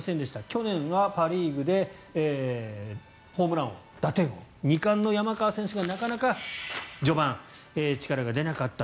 去年はパ・リーグでホームラン王、打点王２冠の山川選手がなかなか序盤、力が出なかった。